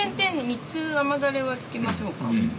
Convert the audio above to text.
３つ雨だれはつけましょうか。